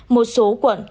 một số quận